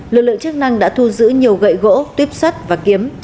lực lượng chức năng đã thu giữ nhiều gậy gỗ tuyếp sắt và kiếm